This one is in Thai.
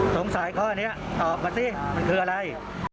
ข้อนี้ตอบมาสิมันคืออะไร